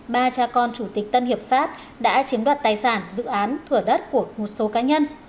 ba cha con chủ tịch tân hiệp pháp đã chiếm đoạt tài sản dự án thủa đất của một số cá nhân